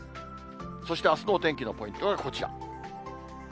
そしてあすのお天気のポイントはこちら。